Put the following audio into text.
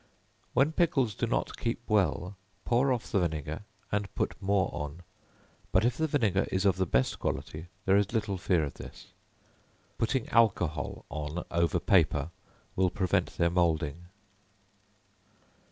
When pickles do not keep well, pour off the vinegar, and put more on, but if the vinegar is of the best quality, there is little fear of this. Putting alcohol on over paper, will prevent their moulding.